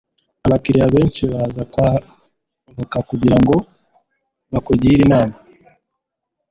Abakiriya benshi baza kwa avoka kugirango bakugire inama